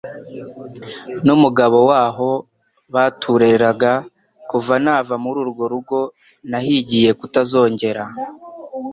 n'umugabo waho batureraga, kuva nava muri urwo rugo nahigiye kutazongera